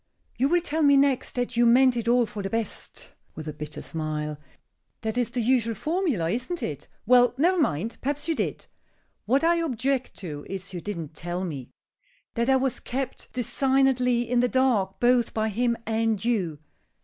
"You will tell me next that you meant it all for the best," with a bitter smile. "That is the usual formula, isn't it? Well, never mind; perhaps you did. What I object to is you didn't tell me. That I was kept designedly in the dark both by him and you.